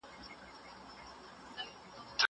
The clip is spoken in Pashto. هغه څوک چي چپنه پاکوي منظم وي.